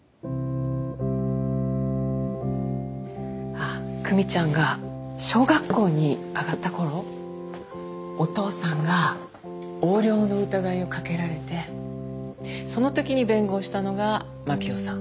あっ久美ちゃんが小学校に上がった頃お父さんが横領の疑いをかけられてその時に弁護をしたのが真樹夫さん。